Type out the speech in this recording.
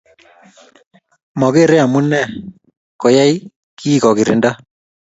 Mokere amune anan koyai kiy kogirinda